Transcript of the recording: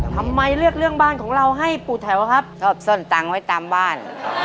ทำไมเลือกเรื่องบ้านของเราให้ปู่แถวครับชอบซ่อนตังค์ไว้ตามบ้าน